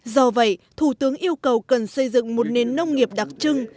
do vậy thủ tướng yêu cầu cần xây dựng một nền nông nghiệp đặc trưng